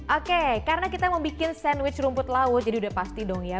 oke karena kita mau bikin sandwich rumput laut jadi udah pasti dong ya